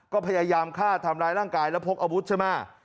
ก็พยายามฆ่าทำร้ายร่างกายแล้วพกอาวุธใช่ไหม